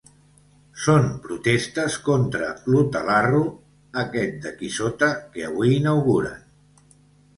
Són protestes contra l'hotelarro aquest d'aquí sota que avui inauguren.